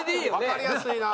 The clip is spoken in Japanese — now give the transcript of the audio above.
わかりやすいな。